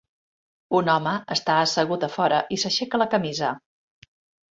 Un home està assegut a fora i s"aixeca la camisa.